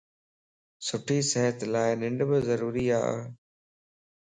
سٺي صحت لا ننڊ بي ضروري ا